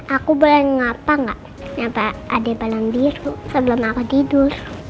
aku boleh ngapa gak nabah adek balang biru sebelum aku tidur